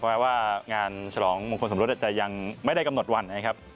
แม้ว่างานฉลองมงคลสมรสจะยังไม่ได้กำหนดวันนะครับ